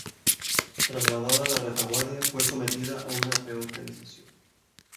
Trasladada a la retaguardia, fue sometida a una reorganización.